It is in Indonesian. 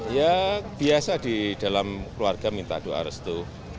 ya biasa di dalam keluarga minta doa restu